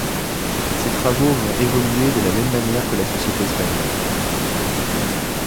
Ses travaux vont évoluer de la même manière que la société espagnole.